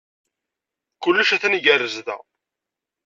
Kullec a-t-an igerrez da.